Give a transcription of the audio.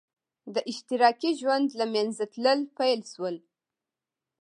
د اشتراکي ژوند له منځه تلل پیل شول.